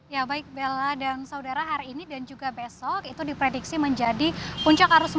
ya baik bella dan saudara hari ini dan juga besok itu diprediksi menjadi puncak arus mudik